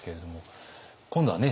今度はね